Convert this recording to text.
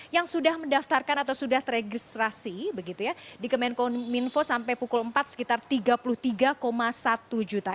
yang sudah mendaftarkan atau sudah teregistrasi begitu ya di kemenkominfo sampai pukul empat sekitar tiga puluh tiga satu juta